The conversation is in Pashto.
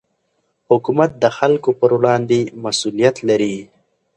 حکومت د خلکو پر وړاندې مسوولیت لري